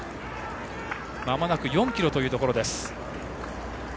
まもなく４ｋｍというところです。